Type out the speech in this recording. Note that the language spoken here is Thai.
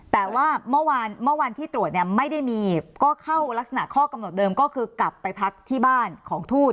แต่ว่าเมื่อวานเมื่อวันที่ตรวจเนี่ยไม่ได้มีก็เข้ารักษณะข้อกำหนดเดิมก็คือกลับไปพักที่บ้านของทูต